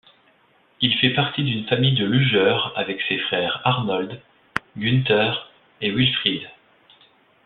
Il fait partie d'une famille de lugeurs avec ses frères Arnold, Günther et Wilfried.